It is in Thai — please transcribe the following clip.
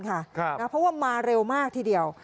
เพราะว่ามาเร็วมากทีเดียว